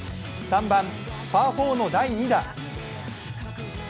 ３番パー４の第２打。